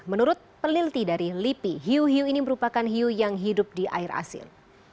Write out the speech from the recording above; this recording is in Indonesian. menurut peneliti dari lipi hiu hiu ini merupakan hiu yang hidup di air asin